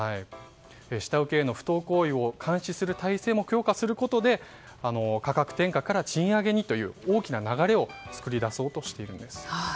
下請けへの不当行為を監視する体制も強化することで価格転嫁から賃上げにという大きな流れを作り出そうとしているんです。